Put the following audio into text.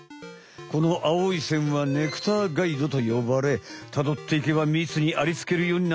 このあおい線はネクターガイドとよばれたどっていけばみつにありつけるようになっている。